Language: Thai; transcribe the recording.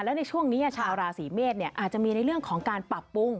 แล้วในช่วงนี้ชาวราศีเมษอาจจะมีในเรื่องของการปรับปรุง